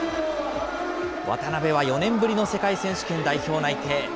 渡辺は４年ぶりの世界選手権代表内定。